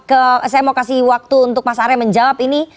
oke saya mau kasih waktu untuk mas arya menjawab ini